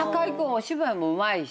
お芝居もうまいし。